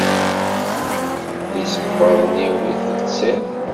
D isebbaḍen-iw i telsiḍ.